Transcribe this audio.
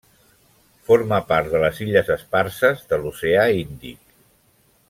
Forma part de les illes Esparses de l'oceà Índic.